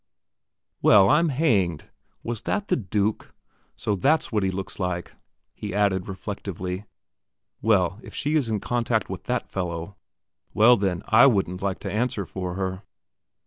"Well, I'm hanged, was that 'the Duke'? So that's what he looks like," he added, reflectively. "Well, if she is in contact with that fellow; well, then, I wouldn't like to answer for her."